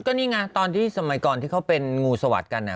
ก็นี่ไงตอนที่สมัยก่อนที่เขาเป็นงูสวัสดิ์กัน